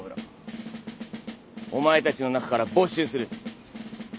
お前たちの中から募集する。